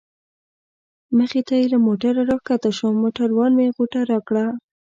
مخې ته یې له موټره را کښته شوم، موټروان مې غوټه راکړه.